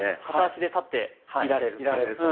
片足で立っていられる。